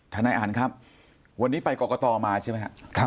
นายอันครับวันนี้ไปกรกตมาใช่ไหมครับ